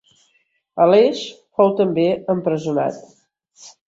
Aleix fou també empresonat.